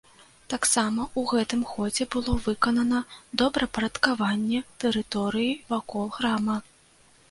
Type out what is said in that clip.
Таксама ў гэтым годзе было выканана добраўпарадкаванне тэрыторыі вакол храма.